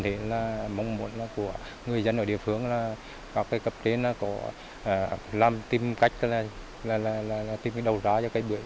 thế nên mong muốn của người dân ở địa phương là các cấp trên có làm tìm cách tìm cái đầu giá cho cái bưởi